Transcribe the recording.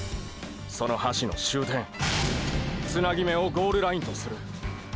その橋の終点つなぎ目をゴールラインとする。